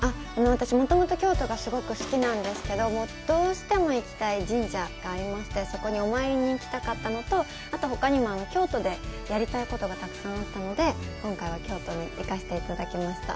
私、もともと京都がすごく好きなんですけど、どうしても行きたい神社がありまして、そこにお参りに行きたかったのと、あと、ほかにも京都でやりたいことがたくさんあったので、今回は京都に行かせていただきました。